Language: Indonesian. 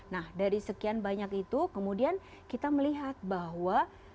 nah dari sekian banyak itu kemudian kita melihat bahwa